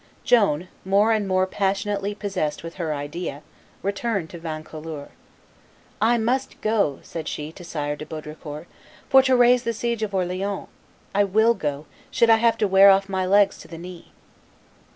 Joan, more and more passionately possessed with her idea, returned to Vaucouleurs. "I must go," said she to Sire de Baudricourt, "for to raise the siege of Orleans. I will go, should I have to wear off my legs to the knee."